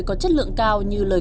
chị chỉ cấp một thôi